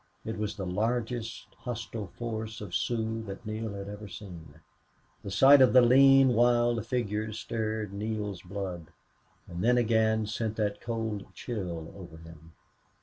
It was the largest hostile force of Sioux that Neale had ever seen. The sight of the lean, wild figures stirred Neale's blood, and then again sent that cold chill over him.